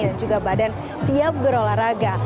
dan juga badan siap berolahraga